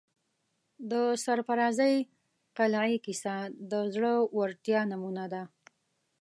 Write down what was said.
د سرافرازۍ قلعې کیسه د زړه ورتیا نمونه ده.